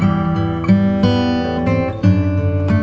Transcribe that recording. terima kasih ya mas